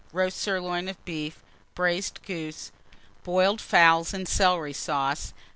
Roast Sirloin of Beef. Braised Goose. Boiled Fowls and Celery Sauce.